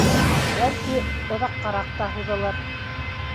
Бәлки, оҙаҡҡараҡ та һуҙылыр.